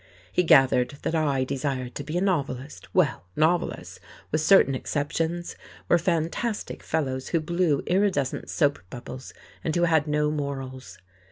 He gathered that I desired to be a novelist. Well, novelists, with certain exceptions, were fantastic fellows who blew iridescent soap bubbles and who had no morals.